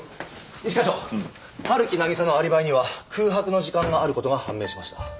一課長陽木渚のアリバイには空白の時間がある事が判明しました。